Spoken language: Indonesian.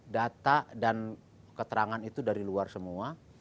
data dan keterangan itu dari luar semua